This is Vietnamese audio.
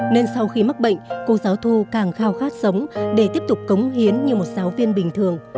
nên sau khi mắc bệnh cô giáo thu càng khao khát sống để tiếp tục cống hiến như một giáo viên bình thường